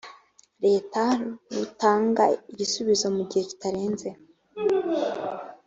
leta rutanga igisubizo mu gihe kitarenze